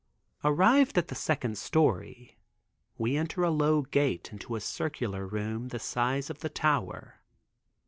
Arrived at the second story we enter a low gate into a circular room the size of the tower.